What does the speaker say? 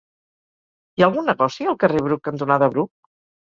Hi ha algun negoci al carrer Bruc cantonada Bruc?